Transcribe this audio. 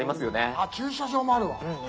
あっ駐車場もあるわ。